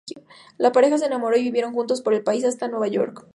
La pareja se enamoró y viajaron juntos por el país hasta Nueva York.